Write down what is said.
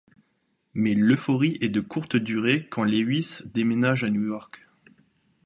Mais l'euphorie est de courte durée quand Lewis déménage à New York.